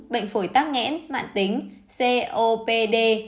bệnh phổi tắc nghẽn mạng tính copd